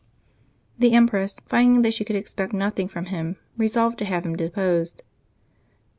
The empress, finding that she could expect nothing from him, resolved to have him deposed.